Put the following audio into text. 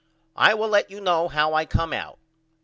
I will let you know how I come out.